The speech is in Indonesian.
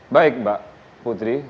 baik mbak putri